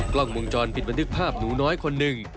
กล้องวงจรปิดบันทึกภาพหนูน้อยคนหนึ่ง